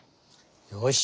よし！